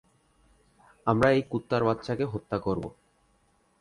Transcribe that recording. আমরা এই কুত্তার বাচ্চাকে হত্যা করব।